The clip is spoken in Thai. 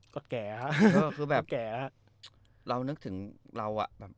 ก็แก่เรานึกถึงเรา